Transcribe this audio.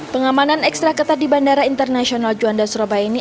pengamanan ekstra ketat di bandara internasional juanda surabaya ini